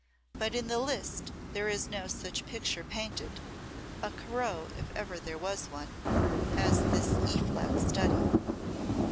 But in the list there is no such picture painted, a Corot if ever there was one, as this E flat study.